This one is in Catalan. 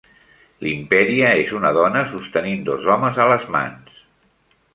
L'Imperia és una dona sostenint dos homes a les mans.